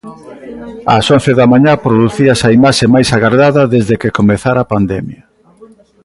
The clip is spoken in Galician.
Ás once da mañá producíase a imaxe máis agardada desde que comezara a pandemia.